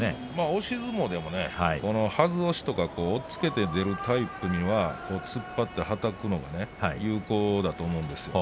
押し相撲でもはず押しとか押っつけて出るタイプには突っ張ってはたくのも有効だと思うんです。